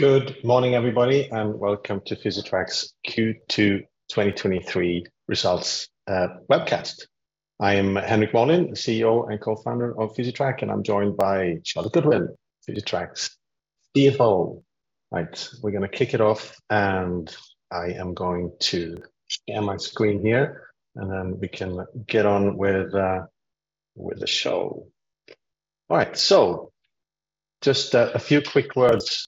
Good morning, everybody, and welcome to Physitrack's Q2 2023 results, webcast. I am Henrik Molin, the CEO and co-founder of Physitrack, and I'm joined by Charlotte Goodwin, Physitrack's CFO. Right, we're gonna kick it off, and I am going to share my screen here, and then we can get on with the show. All right, so just a few quick words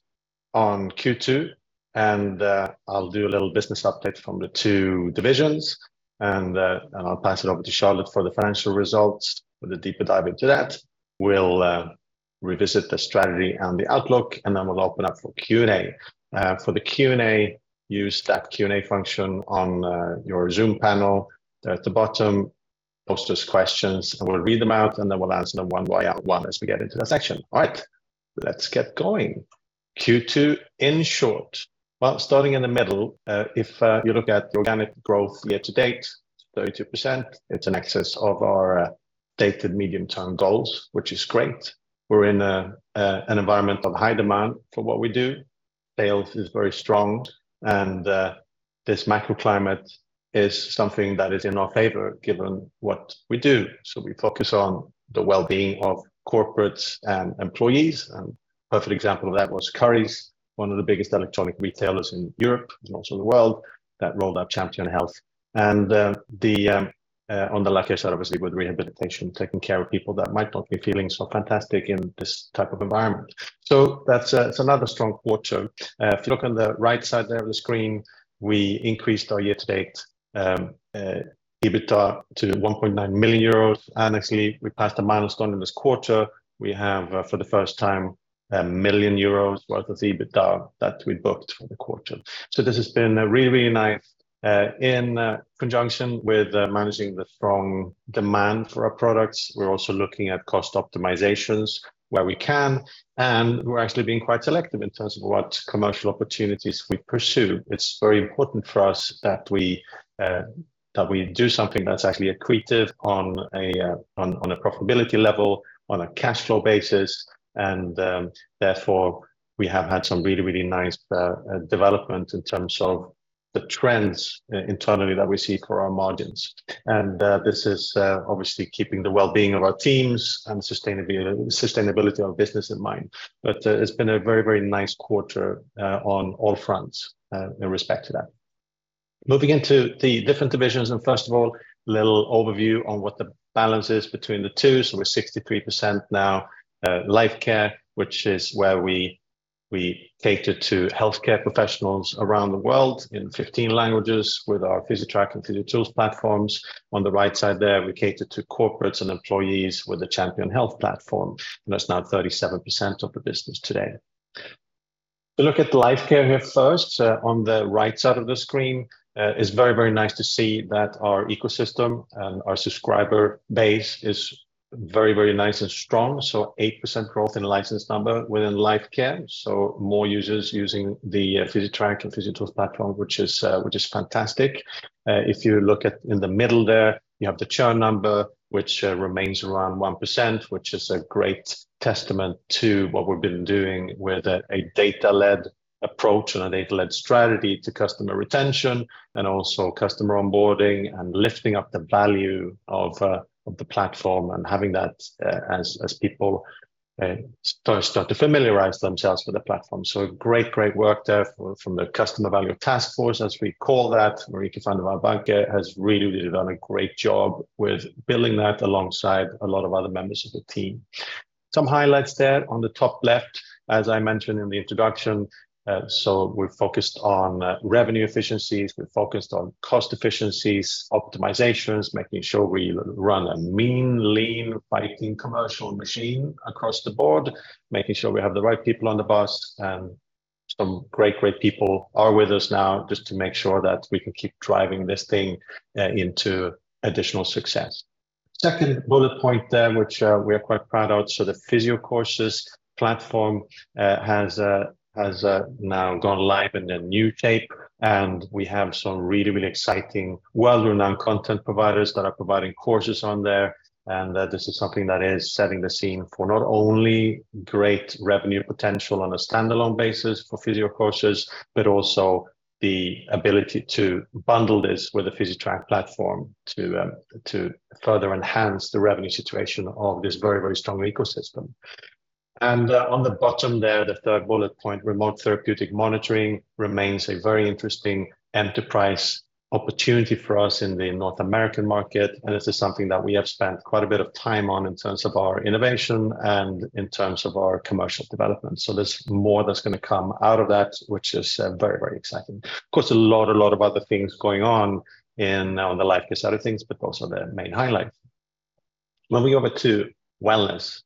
on Q2, and I'll do a little business update from the two divisions, and I'll pass it over to Charlotte for the financial results with a deeper dive into that. We'll revisit the strategy and the outlook, and then we'll open up for Q&A. For the Q&A, use that Q&A function on your Zoom panel there at the bottom. Post those questions. We'll read them out, and then we'll answer them one by one as we get into that section. Let's get going. Q2, in short, well, starting in the middle, if you look at the organic growth year-to-date, it's 32%. It's in excess of our stated medium-term goals, which is great. We're in an environment of high demand for what we do. Sales is very strong. This macro climate is something that is in our favor, given what we do. We focus on the wellbeing of corporates and employees. A perfect example of that was Currys, one of the biggest electronic retailers in Europe, and also the world, that rolled out Champion Health. On the luckier side, obviously, with rehabilitation, taking care of people that might not be feeling so fantastic in this type of environment. That's another strong quarter. If you look on the right side there of the screen, we increased our year-to-date EBITDA to 1.9 million euros, and actually, we passed a milestone in this quarter. We have, for the first time, 1 million euros worth of EBITDA that we booked for the quarter. This has been really, really nice. In conjunction with managing the strong demand for our products, we're also looking at cost optimizations where we can, and we're actually being quite selective in terms of what commercial opportunities we pursue. It's very important for us that we that we do something that's actually accretive on a on on a profitability level, on a cash flow basis, and, therefore, we have had some really, really nice development in terms of the trends internally that we see for our margins. This is obviously keeping the well-being of our teams and sustainability of business in mind. It's been a very, very nice quarter on all fronts in respect to that. Moving into the different divisions, and first of all, a little overview on what the balance is between the two. We're 63% now, Lifecare, which is where we cater to healthcare professionals around the world in 15 languages with our Physitrack and Physiotools platforms. On the right side there, we cater to corporates and employees with the Champion Health platform, and that's now 37% of the business today. If you look at the Lifecare here first, on the right side of the screen, it's very, very nice to see that our ecosystem and our subscriber base is very, very nice and strong, so 8% growth in license number within Lifecare, so more users using the Physitrack and Physiotools platform, which is which is fantastic. If you look at in the middle there, you have the churn number, which remains around 1%, which is a great testament to what we've been doing with a data-led approach and a data-led strategy to customer retention, and also customer onboarding and lifting up the value of the platform and having that as people start to familiarize themselves with the platform. Great, great work there from, from the customer value task force, as we call that. Marieke van den Wall Bake has really, really done a great job with building that alongside a lot of other members of the team. Some highlights there on the top left, as I mentioned in the introduction, so we're focused on revenue efficiencies. We're focused on cost efficiencies, optimizations, making sure we run a mean, lean, fighting, commercial machine across the board. Making sure we have the right people on the bus, and some great, great people are with us now, just to make sure that we can keep driving this thing into additional success. Second bullet point there, which we are quite proud of, so the Physicourses platform has now gone live in a new shape, and we have some really, really exciting, well-renowned content providers that are providing courses on there. This is something that is setting the scene for not only great revenue potential on a standalone basis for Physicourses, but also the ability to bundle this with the Physitrack platform to further enhance the revenue situation of this very, very strong ecosystem. On the bottom there, the third bullet point, Remote Therapeutic Monitoring, remains a very interesting enterprise opportunity for us in the North American market, and this is something that we have spent quite a bit of time on in terms of our innovation and in terms of our commercial development. There's more that's gonna come out of that, which is very, very exciting. Of course, a lot, a lot of other things going on in, on the Lifecare side of things, but those are the main highlights. Moving over to Wellness.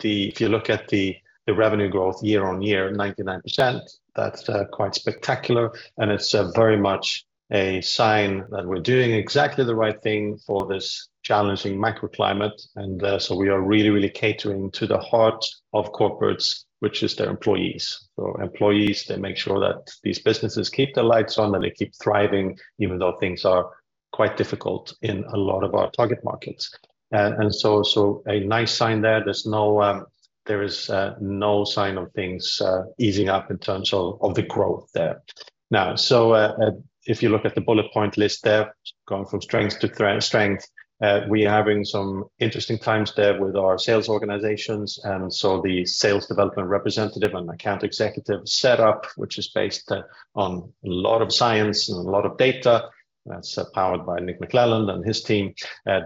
If you look at the, the revenue growth year-over-year, 99%, that's quite spectacular, and it's very much a sign that we're doing exactly the right thing for this challenging microclimate. So we are really, really catering to the heart of corporates, which is their employees. Employees make sure that these businesses keep the lights on, and they keep thriving, even though things are quite difficult in a lot of our target markets. So a nice sign there. There's no, there is no sign of things easing up in terms of the growth there. Now, if you look at the bullet point list there, going from strength to strength, we are having some interesting times there with our sales organizations. The sales development representative and account executive setup, which is based on a lot of science and a lot of data, that's powered by Nick McClelland and his team.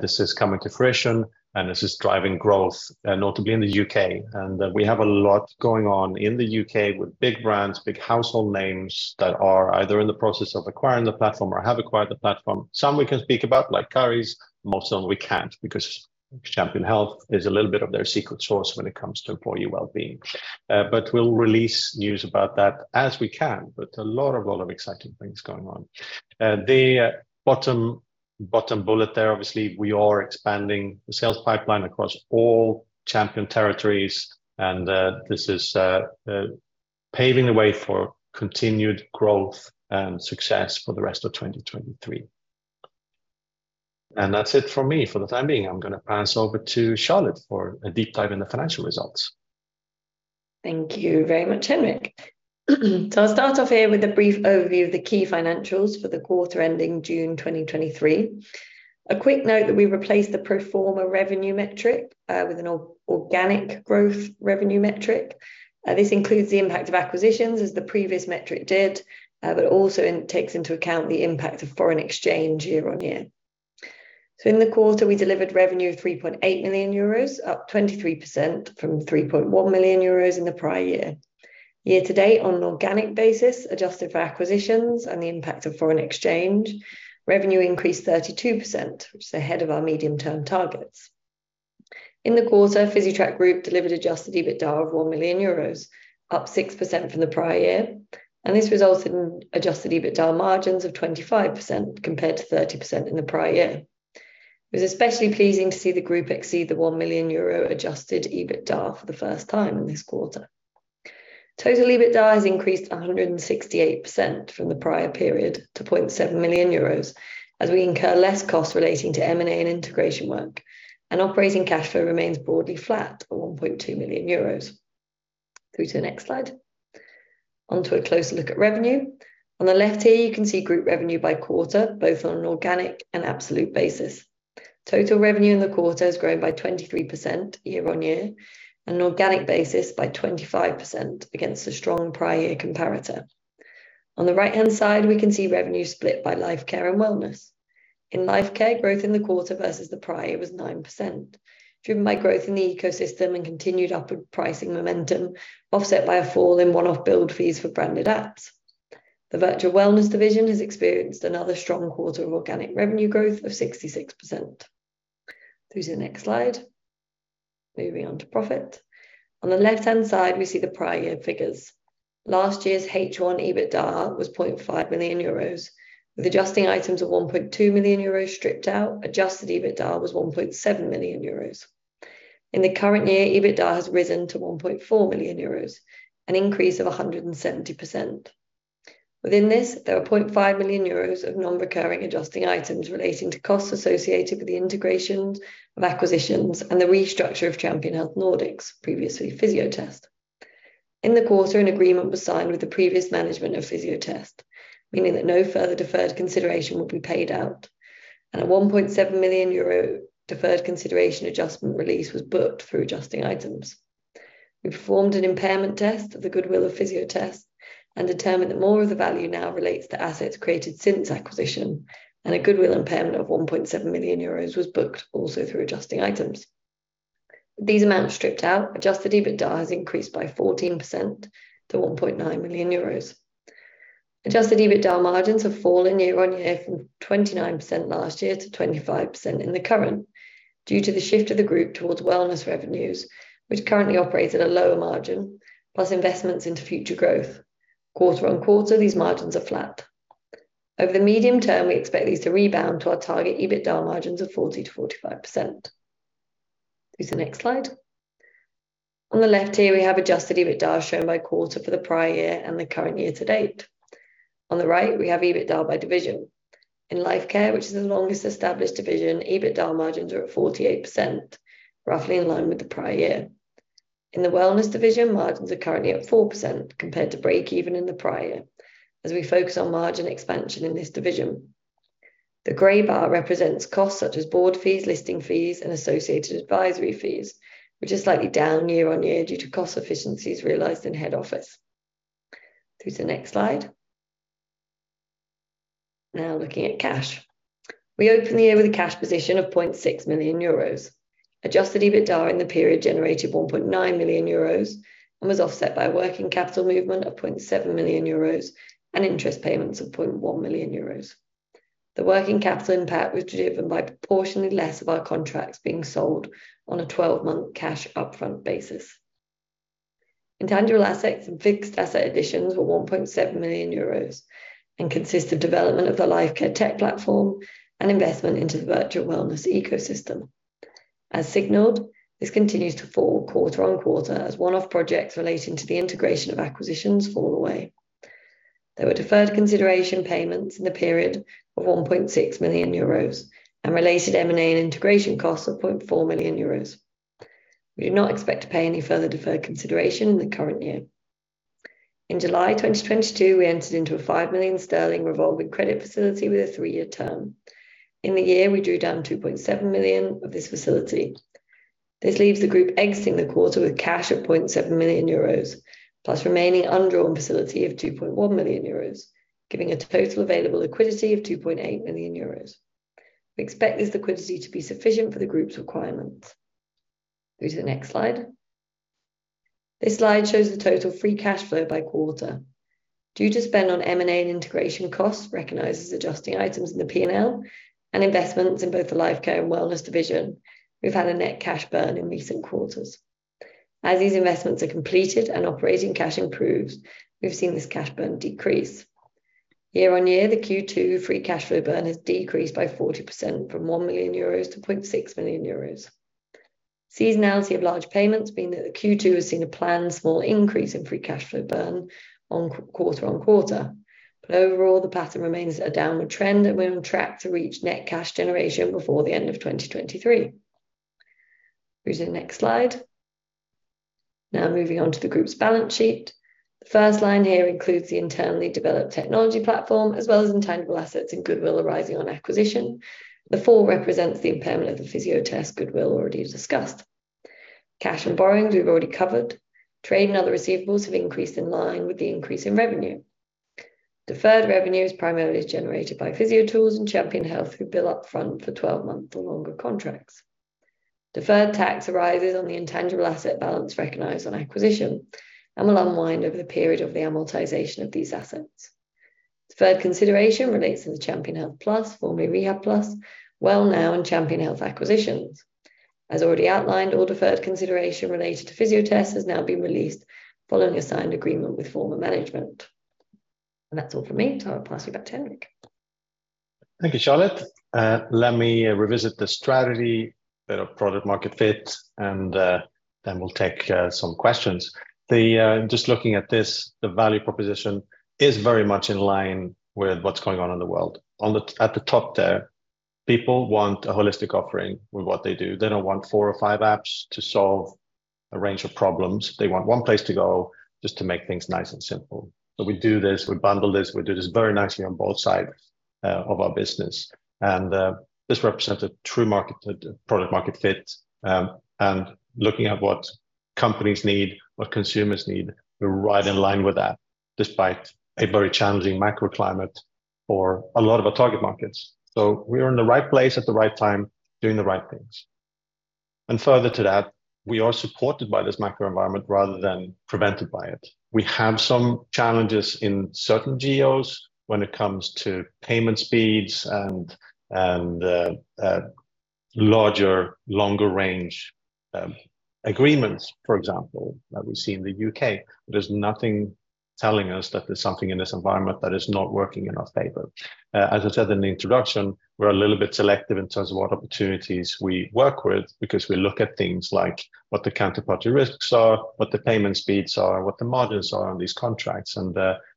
This is coming to fruition, this is driving growth, notably in the UK. We have a lot going on in the UK with big brands, big household names that are either in the process of acquiring the platform or have acquired the platform. Some we can speak about, like Currys. Most of them we can't, because Champion Health is a little bit of their secret sauce when it comes to employee wellbeing. We'll release news about that as we can, but a lot of, lot of exciting things going on. The bottom bullet there, obviously, we are expanding the sales pipeline across all Champion territories, this is paving the way for continued growth and success for the rest of 2023. That's it from me for the time being. I'm gonna pass over to Charlotte for a deep dive in the financial results. Thank you very much, Henrik. I'll start off here with a brief overview of the key financials for the quarter ending June 2023. A quick note that we replaced the pro forma revenue metric with an organic growth revenue metric. This includes the impact of acquisitions, as the previous metric did, but also takes into account the impact of foreign exchange year-on-year. In the quarter, we delivered revenue of 3.8 million euros, up 23% from 3.1 million euros in the prior year. Year-to-date, on an organic basis, adjusted for acquisitions and the impact of foreign exchange, revenue increased 32%, which is ahead of our medium-term targets. In the quarter, Physitrack Group delivered adjusted EBITDA of 1 million euros, up 6% from the prior year, and this resulted in adjusted EBITDA margins of 25%, compared to 30% in the prior year. It was especially pleasing to see the group exceed the 1 million euro adjusted EBITDA for the first time in this quarter. Total EBITDA has increased 168% from the prior period to 0.7 million euros, as we incur less costs relating to M&A and integration work, and operating cash flow remains broadly flat at 1.2 million euros. Through to the next slide. On to a closer look at revenue. On the left here, you can see group revenue by quarter, both on an organic and absolute basis. Total revenue in the quarter has grown by 23% year-on-year, and on an organic basis by 25% against a strong prior year comparator. On the right-hand side, we can see revenue split by Lifecare and Wellness. In Lifecare, growth in the quarter versus the prior year was 9%, driven by growth in the ecosystem and continued upward pricing momentum, offset by a fall in one-off build fees for Branded Apps. The Virtual Wellness division has experienced another strong quarter of organic revenue growth of 66%. Through to the next slide. Moving on to profit. On the left-hand side, we see the prior year figures. Last year's H1 EBITDA was 0.5 million euros. With adjusting items of 1.2 million euros stripped out, adjusted EBITDA was 1.7 million euros. In the current year, EBITDA has risen to 1.4 million euros, an increase of 170%. Within this, there were 0.5 million euros of non-recurring adjusting items relating to costs associated with the integration of acquisitions and the restructure of Champion Health Nordics, previously Fysiotest. In the quarter, an agreement was signed with the previous management of Fysiotest, meaning that no further deferred consideration will be paid out, and a 1.7 million euro deferred consideration adjustment release was booked through adjusting items. We performed an impairment test of the goodwill of Fysiotest and determined that more of the value now relates to assets created since acquisition, and a goodwill impairment of 1.7 million euros was booked also through adjusting items. These amounts stripped out, adjusted EBITDA has increased by 14% to 1.9 million euros. Adjusted EBITDA margins have fallen year-on-year from 29% last year to 25% in the current, due to the shift of the group towards Wellness revenues, which currently operates at a lower margin, plus investments into future growth. Quarter-on-quarter, these margins are flat. Over the medium term, we expect these to rebound to our target EBITDA margins of 40%-45%. Through to the next slide. On the left here, we have adjusted EBITDA shown by quarter for the prior year and the current year-to-date. On the right, we have EBITDA by division. In Lifecare, which is the longest-established division, EBITDA margins are at 48%, roughly in line with the prior year. In the Wellness division, margins are currently at 4%, compared to breakeven in the prior, as we focus on margin expansion in this division. The gray bar represents costs such as board fees, listing fees, and associated advisory fees, which is slightly down year-on-year due to cost efficiencies realized in head office. Through to the next slide. Now looking at cash. We opened the year with a cash position of 0.6 million euros. Adjusted EBITDA in the period generated 1.9 million euros and was offset by working capital movement of 0.7 million euros and interest payments of 0.1 million euros. The working capital impact was driven by proportionately less of our contracts being sold on a 12-month cash upfront basis. Intangible assets and fixed asset additions were 1.7 million euros and consist of development of the Lifecare tech platform and investment into the Virtual Wellness ecosystem. As signaled, this continues to fall quarter-on-quarter as one-off projects relating to the integration of acquisitions fall away. There were deferred consideration payments in the period of 1.6 million euros, related M&A and integration costs of 0.4 million euros. We do not expect to pay any further deferred consideration in the current year. In July 2022, we entered into a 5 million sterling revolving credit facility with a three-year term. In the year, we drew down 2.7 million of this facility. This leaves the group exiting the quarter with cash of 0.7 million euros, plus remaining undrawn facility of 2.1 million euros, giving a total available liquidity of 2.8 million euros. We expect this liquidity to be sufficient for the group's requirements. Through to the next slide. This slide shows the total free cash flow by quarter. Due to spend on M&A and integration costs, recognized as adjusting items in the P&L, and investments in both the Lifecare and Wellness division, we've had a net cash burn in recent quarters. As these investments are completed and operating cash improves, we've seen this cash burn decrease. Year-over-year, the Q2 free cash flow burn has decreased by 40% from 1 million euros to 0.6 million euros. Seasonality of large payments mean that the Q2 has seen a planned small increase in free cash flow burn on quarter-over-quarter. Overall, the pattern remains a downward trend, and we're on track to reach net cash generation before the end of 2023. Through to the next slide. Moving on to the group's balance sheet. The first line here includes the internally developed technology platform, as well as intangible assets and goodwill arising on acquisition. The fall represents the impairment of the Fysiotest goodwill already discussed. Cash and borrowings, we've already covered. Trade and other receivables have increased in line with the increase in revenue. Deferred revenue is primarily generated by Physiotools and Champion Health, who bill up front for 12-month or longer contracts. Deferred tax arises on the intangible asset balance recognized on acquisition and will unwind over the period of the amortization of these assets. Deferred consideration relates to the Champion Health Plus, formerly Rehabplus, Wellnow, and Champion Health acquisitions. As already outlined, all deferred consideration related to Fysiotest has now been released following a signed agreement with former management. That's all from me, so I'll pass you back to Henrik. Thank you, Charlotte. Let me revisit the strategy, bit of product-market fit, and then we'll take some questions. Just looking at this, the value proposition is very much in line with what's going on in the world. At the top there, people want a holistic offering with what they do. They don't want four or five apps to solve a range of problems. They want one place to go, just to make things nice and simple. We do this, we bundle this, we do this very nicely on both sides of our business, and this represents a true market, product-market fit. Looking at what companies need, what consumers need, we're right in line with that, despite a very challenging macro climate for a lot of our target markets. We are in the right place at the right time, doing the right things. Further to that, we are supported by this macro environment rather than prevented by it. We have some challenges in certain geos when it comes to payment speeds and larger, longer range agreements, for example, that we see in the U.K. There's nothing telling us that there's something in this environment that is not working in our favor. As I said in the introduction, we're a little bit selective in terms of what opportunities we work with, because we look at things like what the counterparty risks are, what the payment speeds are, and what the margins are on these contracts.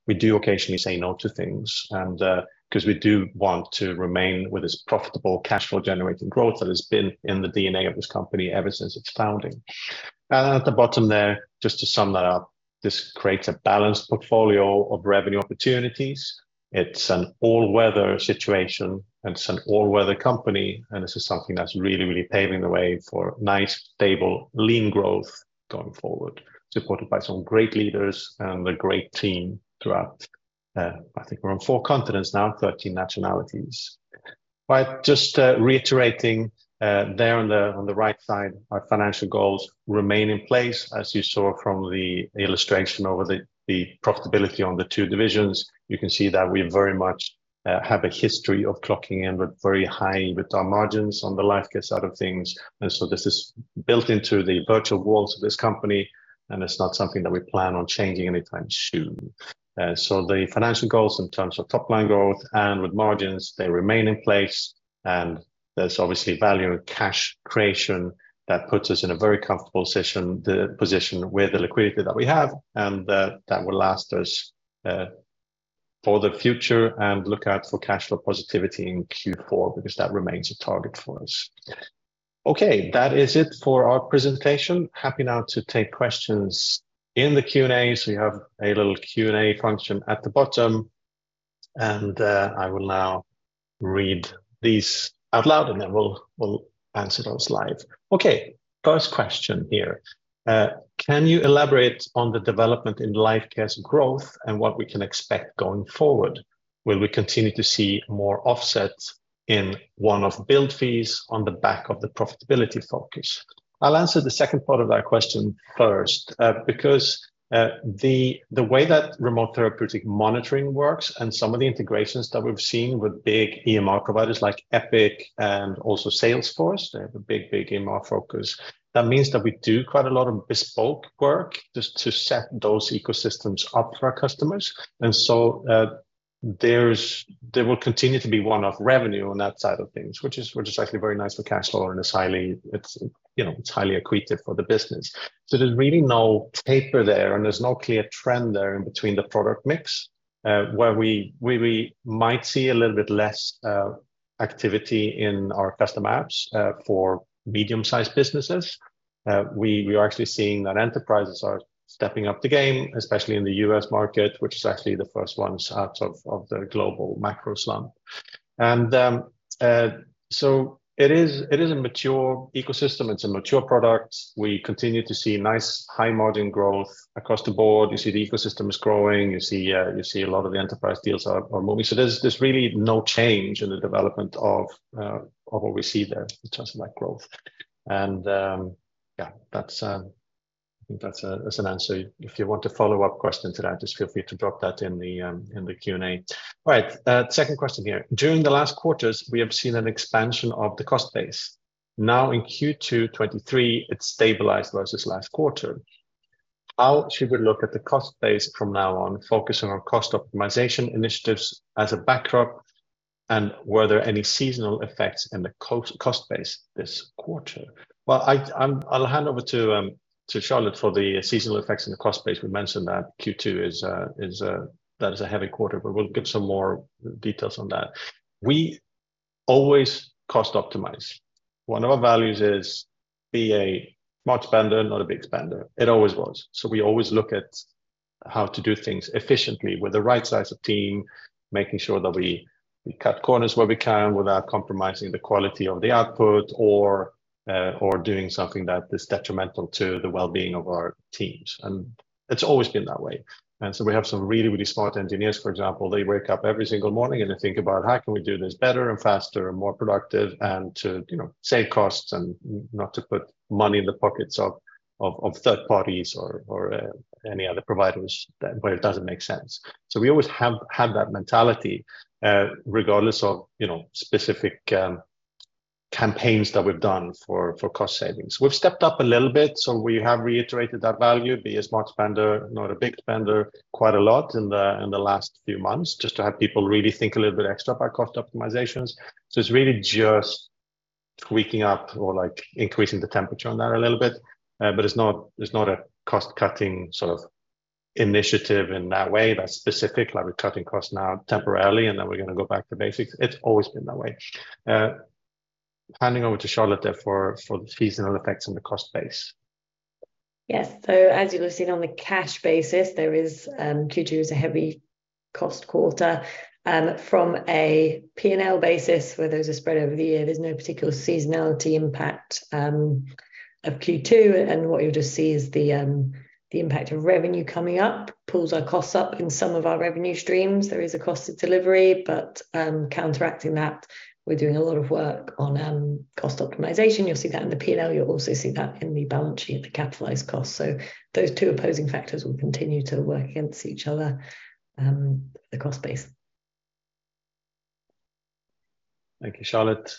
We do occasionally say no to things, 'cause we do want to remain with this profitable cash flow-generating growth that has been in the DNA of this company ever since its founding. At the bottom there, just to sum that up, this creates a balanced portfolio of revenue opportunities. It's an all-weather situation, and it's an all-weather company, and this is something that's really, really paving the way for nice, stable, lean growth going forward, supported by some great leaders and a great team throughout, I think we're on four continents now, 13 nationalities. Just reiterating, there on the right side, our financial goals remain in place. As you saw from the illustration over the profitability on the two divisions, you can see that we very much have a history of clocking in with very high EBITDA margins on the Lifecare side of things. So this is built into the virtual walls of this company, and it's not something that we plan on changing anytime soon. So the financial goals in terms of top-line growth and with margins, they remain in place, and there's obviously value and cash creation that puts us in a very comfortable session, position with the liquidity that we have, and that will last us for the future, and look out for cash flow positivity in Q4, because that remains a target for us. Okay, that is it for our presentation. Happy now to take questions in the Q&A. You have a little Q&A function at the bottom, and I will now read these out loud, and then we'll answer those live. Okay, first question here. Can you elaborate on the development in Lifecare's growth and what we can expect going forward? Will we continue to see more offset in one-off build fees on the back of the profitability focus? I'll answer the second part of that question first. Because the way that Remote Therapeutic Monitoring works and some of the integrations that we've seen with big EMR providers like Epic and also Salesforce, they have a big, big EMR focus. That means that we do quite a lot of bespoke work just to set those ecosystems up for our customers. There will continue to be one-off revenue on that side of things, which is actually very nice for cash flow, and it's highly accretive for the business. There's really no taper there, and there's no clear trend there in between the product mix. Where we might see a little bit less activity in our custom apps, for medium-sized businesses. We are actually seeing that enterprises are stepping up the game, especially in the U.S. market, which is actually the first ones out of the global macro slump. It is a mature ecosystem. It's a mature product. We continue to see nice, high-margin growth across the board. You see the ecosystem is growing. You see a lot of the enterprise deals are moving. There's really no change in the development of what we see there in terms of that growth. Yeah, I think that's an answer. If you want a follow-up question to that, just feel free to drop that in the Q&A. All right, second question here. During the last quarters, we have seen an expansion of the cost base. Now, in Q2 2023, it stabilized versus last quarter. How should we look at the cost base from now on, focusing on cost optimization initiatives as a backdrop, and were there any seasonal effects in the cost base this quarter? Well, I'll hand over to Charlotte for the seasonal effects in the cost base. We mentioned that Q2 is a heavy quarter, we'll give some more details on that. We always cost optimize. One of our values is be a smart spender, not a big spender. It always was. We always look at how to do things efficiently with the right size of team, making sure that we cut corners where we can without compromising the quality of the output or doing something that is detrimental to the well-being of our teams, it's always been that way. So we have some really, really smart engineers, for example, they wake up every single morning, and they think about how can we do this better and faster and more productive and to, you know, save costs and not to put money in the pockets of third parties or any other providers where it doesn't make sense? We always have had that mentality, regardless of, you know, specific campaigns that we've done for cost savings. We've stepped up a little bit, so we have reiterated that value, be a smart spender, not a big spender, quite a lot in the last few months, just to have people really think a little bit extra about cost optimizations. It's really just tweaking up or, like, increasing the temperature on that a little bit. It's not a cost-cutting sort of initiative in that way that's specific, like we're cutting costs now temporarily, and then we're gonna go back to basics. It's always been that way. Handing over to Charlotte there for the seasonal effects on the cost base. Yes. As you would have seen on the cash basis, there is Q2 is a heavy cost quarter. From a P&L basis, where those are spread over the year, there's no particular seasonality impact of Q2. What you'll just see is the impact of revenue coming up, pulls our costs up. In some of our revenue streams, there is a cost to delivery. Counteracting that, we're doing a lot of work on cost optimization. You'll see that in the P&L. You'll also see that in the balance sheet at the capitalized costs. Those two opposing factors will continue to work against each other, the cost base. Thank you, Charlotte.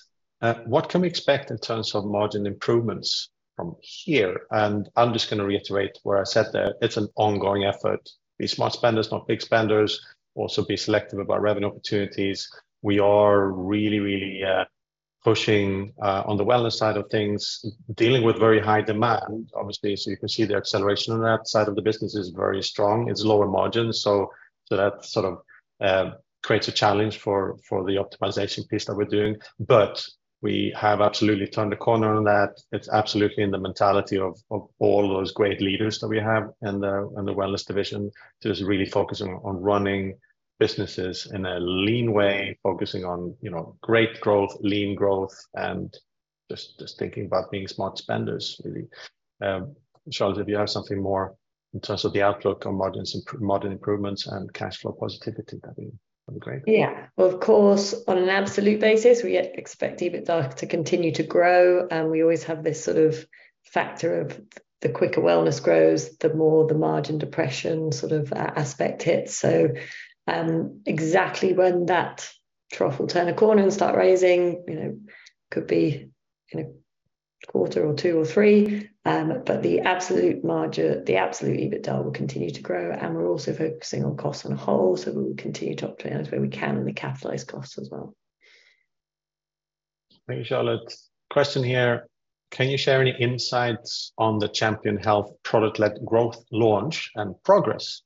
What can we expect in terms of margin improvements from here? I'm just gonna reiterate what I said there. It's an ongoing effort. Be smart spenders, not big spenders. Be selective about revenue opportunities. We are really, really pushing on the Wellness side of things, dealing with very high demand, obviously. You can see the acceleration on that side of the business is very strong. It's lower margin, so, so that sort of creates a challenge for the optimization piece that we're doing. We have absolutely turned a corner on that. It's absolutely in the mentality of all those great leaders that we have in the Wellness division, to just really focus on running businesses in a lean way, focusing on, you know, great growth, lean growth, and just thinking about being smart spenders, really. Charlotte, if you have something more in terms of the outlook on margins, margin improvements and cash flow positivity, that'd be great. Yeah. Well, of course, on an absolute basis, we expect EBITDA to continue to grow. We always have this sort of factor of the quicker Wellness grows, the more the margin depression sort of aspect hits. Exactly when that trough will turn a corner and start raising, you know, could be in a quarter or two or three. The absolute margin, the absolute EBITDA will continue to grow. We're also focusing on costs on the whole. We will continue to optimize where we can in the capitalized costs as well. Thank you, Charlotte. Question here: Can you share any insights on the Champion Health product-led growth launch and progress?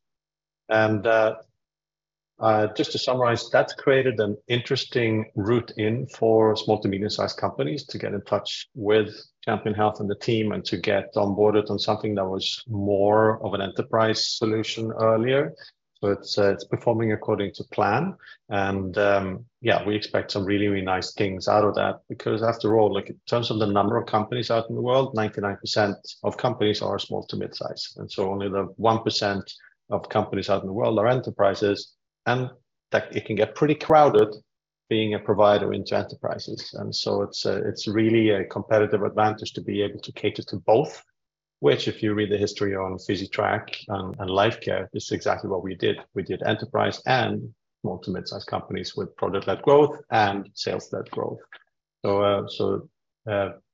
Just to summarize, that's created an interesting route in for small to medium-sized companies to get in touch with Champion Health and the team and to get onboarded on something that was more of an enterprise solution earlier. It's performing according to plan, and, yeah, we expect some really, really nice things out of that, because after all, like in terms of the number of companies out in the world, 99% of companies are small to mid-size. So only the 1% of companies out in the world are enterprises, and that it can get pretty crowded being a provider into enterprises. So it's really a competitive advantage to be able to cater to both, which, if you read the history on Physitrack and LifeCare, this is exactly what we did. We did enterprise and small to mid-size companies with product-led growth and sales-led growth.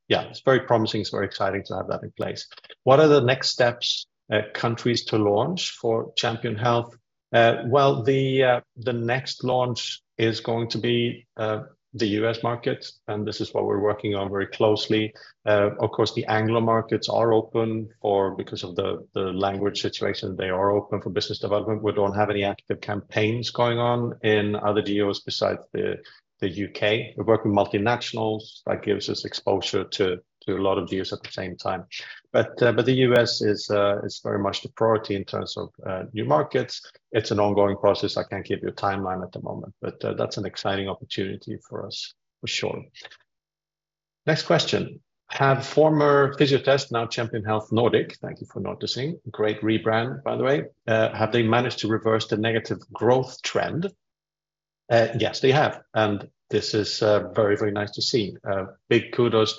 Yeah, it's very promising. It's very exciting to have that in place. What are the next steps, countries to launch for Champion Health? Well, the next launch is going to be the US market, and this is what we're working on very closely. Of course, the Anglo markets are open because of the language situation, they are open for business development. We don't have any active campaigns going on in other geos besides the U.K. We work with multinationals. That gives us exposure to a lot of geos at the same time. The U.S. is very much the priority in terms of new markets. It's an ongoing process. I can't give you a timeline at the moment, but that's an exciting opportunity for us, for sure. Next question: Have former Fysiotest, now Champion Health Nordic. Thank you for noticing. Great rebrand, by the way. Have they managed to reverse the negative growth trend? Yes, they have. This is very, very nice to see. Big kudos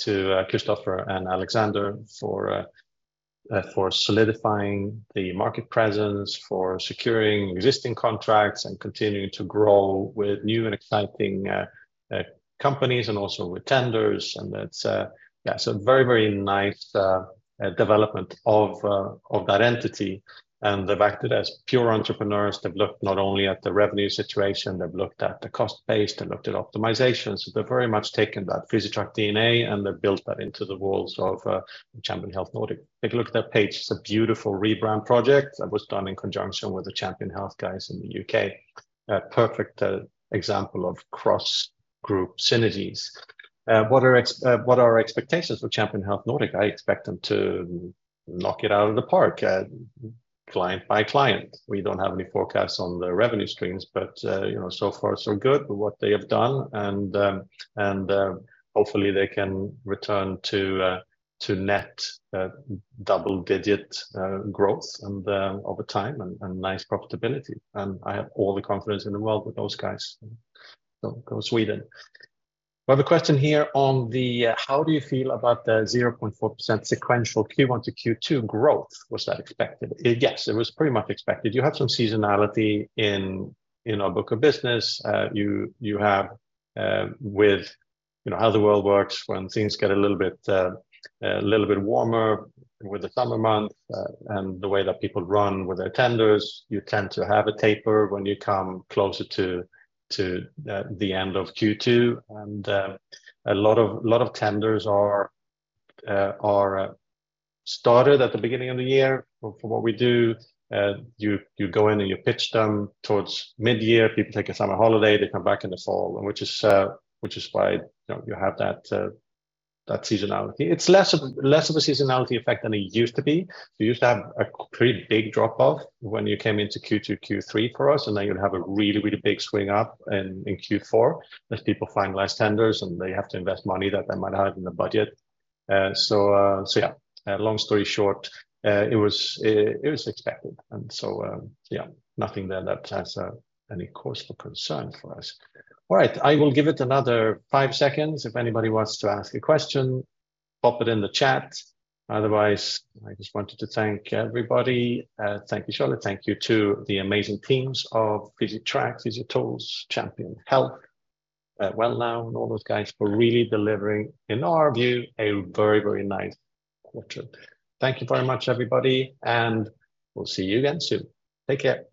to Christopher and Alexander for solidifying the market presence, for securing existing contracts, continuing to grow with new and exciting companies and also with tenders. Yeah, it's a very, very nice development of that entity, and they've acted as pure entrepreneurs. They've looked not only at the revenue situation, they've looked at the cost base, they've looked at optimization. They've very much taken that Physitrack DNA, and they've built that into the walls of Champion Health Nordic. Take a look at that page. It's a beautiful rebrand project that was done in conjunction with the Champion Health guys in the U.K. A perfect example of cross-group synergies. What are our expectations for Champion Health Nordic? I expect them to knock it out of the park, client by client. We don't have any forecasts on the revenue streams, but, you know, so far, so good with what they have done. Hopefully, they can return to net double-digit growth over time, and nice profitability. I have all the confidence in the world with those guys. Go, Sweden. We have a question here. How do you feel about the 0.4% sequential Q1 to Q2 growth? Was that expected? Yes, it was pretty much expected. You have some seasonality in our book of business. You have, with, you know, how the world works, when things get a little bit a little bit warmer with the summer months, and the way that people run with their tenders, you tend to have a taper when you come closer to the end of Q2. A lot of tenders are started at the beginning of the year. For what we do, you, you go in and you pitch them towards mid-year. People take a summer holiday, they come back in the fall, and which is, which is why, you know, you have that, that seasonality. It's less of- less of a seasonality effect than it used to be. We used to have a pretty big drop-off when you came into Q2, Q3 for us, and then you'd have a really, really big swing up in Q4, as people find less tenders, and they have to invest money that they might not have in the budget. So, long story short, it was, it was expected. Yeah, nothing there that has any cause for concern for us. All right, I will give it another five seconds. If anybody wants to ask a question, pop it in the chat. Otherwise, I just wanted to thank everybody. Thank you, Charlotte. Thank you to the amazing teams of Physitrack, Physiotools, Champion Health, Wellnow, and all those guys for really delivering, in our view, a very, very nice quarter. Thank you very much, everybody, and we'll see you again soon. Take care.